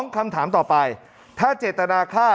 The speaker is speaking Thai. คำถามต่อไปถ้าเจตนาฆ่า